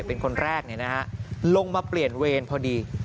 เป็นคนแรกลงมาเปลี่ยนเวรพอดี